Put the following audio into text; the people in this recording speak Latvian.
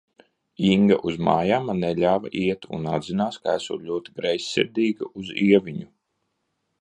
Inga uz mājām man neļāva iet un atzinās, ka esot ļoti greizsirdīga uz Ieviņu.